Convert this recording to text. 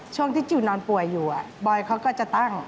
ช่วงที่จิลนอนป่วยอยู่บอยเขาก็จะตั้ง